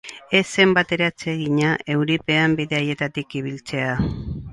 Ez zen batere atsegina euripean bide haietatik ibiltzea.